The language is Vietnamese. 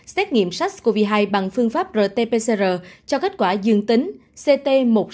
xét nghiệm sars cov hai bằng phương pháp rt pcr cho kết quả dương tính ct một mươi sáu năm mươi hai